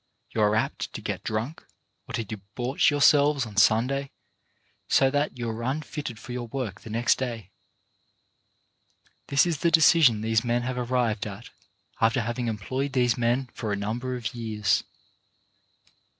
You are apt to get drunk, or to debauch yourselves on Sunday so that you are un fitted for your work the next day." This is the decision these men have arrived at after having employed these men for a number of years.